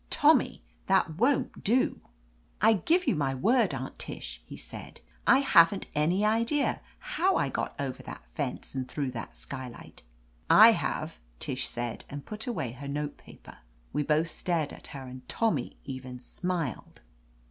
"Tommy, that won't do." "I give you my word. Aunt Tish," he said, 86 I OF LETITIA CARBERRY "I haven't any idea how I got over that fence and through that skylight." "I have !" Tish said, and put away her note paper. We both stared at her and Tommy even smiled.